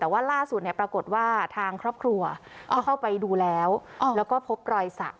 แต่ว่าล่าสุดเนี่ยปรากฏว่าทางครอบครัวก็เข้าไปดูแล้วแล้วก็พบรอยสัก